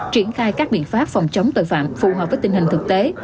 triển khai các biện pháp phòng chống tội phạm phù hợp với tình hình thực tế